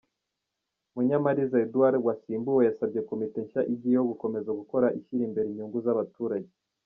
Munyamariza Edouard wasimbuwe yasabye komite nshya igiyeho gukomeza gukora ishyira imbere inyungu z’abaturage.